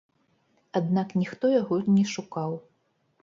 Аднак ніхто яго не шукаў.